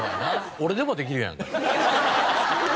俺でもできるやん。